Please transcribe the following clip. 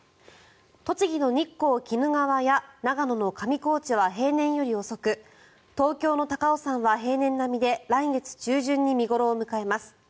栃木の日光・鬼怒川や長野の上高地は平年より遅く東京の高尾山は平年並みで来月中旬に見頃を迎えます。